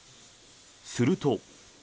すると。